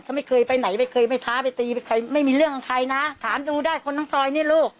เขาไม่เคยไปไหนไม่เคยไปท้าไปตีไปใครไม่มีเรื่องกับใครนะถามดูได้คนทั้งซอยนี่ลูก